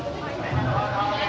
jatian epa jayante